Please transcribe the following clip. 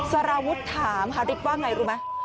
สารวุฒิถามฮาริตว่าอย่างไรรู้ไหม